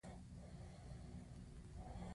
دې پړاوونو ته د بودیجې دوران وایي.